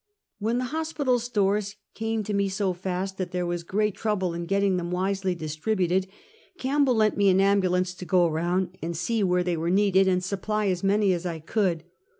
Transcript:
When hospital stores came to me so fast that there was great trouble in getting them wisely distributed, Campbell lent me an ambulance to go around, see where they were needed, and supply as many as I could.